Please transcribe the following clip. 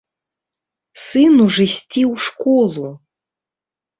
Сыну ж ісці ў школу!